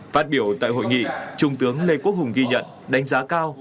phát biểu tại hội nghị trung tướng lê quốc hùng ghi nhận đánh giá cao